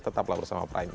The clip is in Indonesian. tetaplah bersama prime news